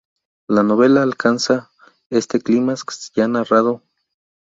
La novela alcanza este clímax ya narrado por Asimov en "Fundación".